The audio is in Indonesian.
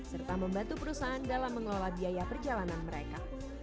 serta membantu perusahaan dalam mengelola biaya perjalanan mereka